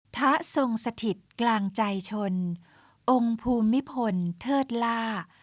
พระทรงสถิตกลางใจชนองค์ภูมิพลเทิดล่า